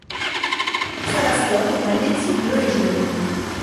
Sa mascotte est un yéti bleu et jaune.